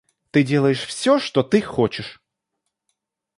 Ты делаешь все, что ты хочешь.